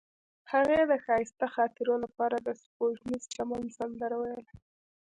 هغې د ښایسته خاطرو لپاره د سپوږمیز چمن سندره ویله.